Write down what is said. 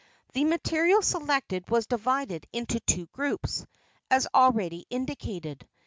The material selected was divided into two groups, as already indicated.